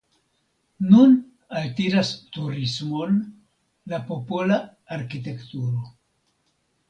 Nun altiras turismon la popola arkitekturo.